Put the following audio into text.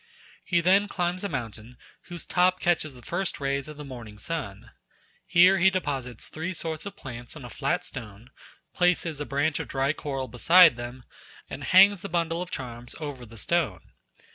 He then climbs a mountain whose top catches the first rays of the morning sun. Here he deposits three sorts of plants on a flat stone, places a branch of dry coral beside them, and hangs the bundle of charms over the stone.